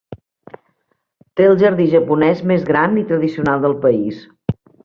Té el jardí japonès més gran i tradicional del país.